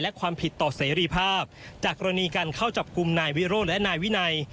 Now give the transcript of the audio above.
และความผิดต่อเสรีภาพจากกรณีการเข้าจับกลุ่มนายวิโรธและนายวินัย